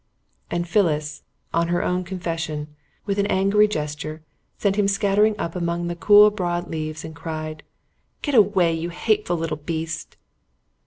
And Phyllis on her own confession with an angry gesture sent him scattering up among the cool broad leaves and cried: "Get away, you hateful little beast!"